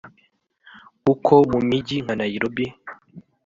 kuko mu mijyi nka Nairobi